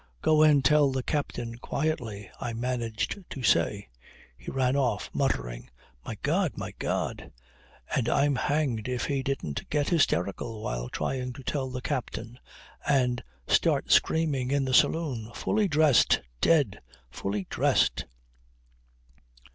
"Go and tell the captain quietly," I managed to say. He ran off muttering "My God! My God!" and I'm hanged if he didn't get hysterical while trying to tell the captain, and start screaming in the saloon, "Fully dressed! Dead! Fully dressed!"